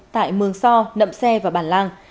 tại mường so nậm xe và bản lang